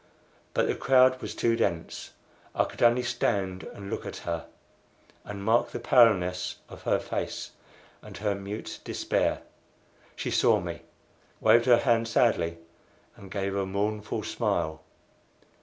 But the crowd was too dense. I could only stand and look at her, and mark the paleness of her face and her mute despair. She saw me, waved her hand sadly, and gave a mournful smile.